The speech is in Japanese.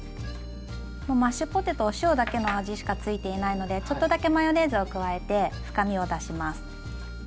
マッシュポテトお塩だけの味しかついていないのでちょっとだけマヨネーズを加えて深みを出します。